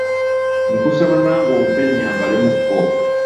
Nkusaba nange ompe nnyambalemukko.